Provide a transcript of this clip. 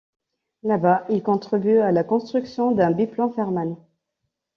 Là bas, il contribue à la construction d'un biplan Farman.